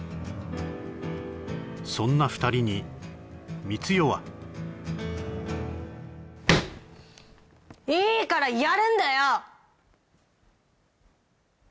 そんな２人に光代はいいからやるんだよ！